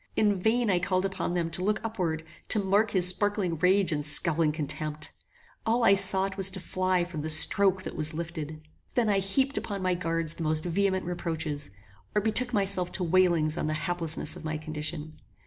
In vain I called upon them to look upward, to mark his sparkling rage and scowling contempt. All I sought was to fly from the stroke that was lifted. Then I heaped upon my guards the most vehement reproaches, or betook myself to wailings on the haplessness of my condition.